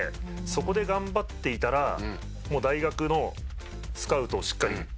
そこで頑張っていたら大学のスカウトしっかりかかって